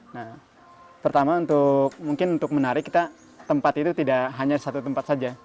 nah pertama untuk mungkin untuk menarik kita tempat itu tidak hanya satu tempat saja